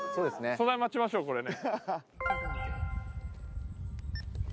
素材待ちましょうこれね。